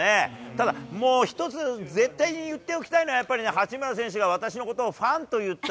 ただ、もう一つ、絶対に言っておきたいのはやっぱり、八村選手が私のことをファンと言った。